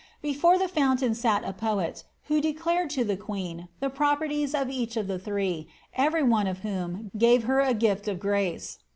Before the fountain sat a poet, who declared the queen the properties of each of the three, every one of whom m her a gift of grace.